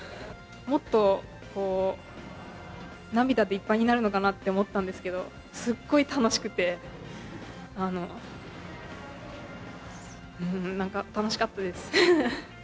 もっと涙でいっぱいになるのかなって思ったんですけど、すっごい楽しくて、なんか楽しかったです。